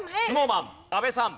ＳｎｏｗＭａｎ阿部さん。